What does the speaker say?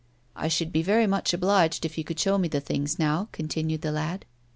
" I should be very much obliged if you could show me the things now," continued the lad.